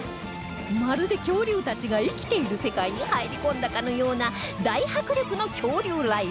まるで恐竜たちが生きている世界に入り込んだかのような大迫力の恐竜ライブ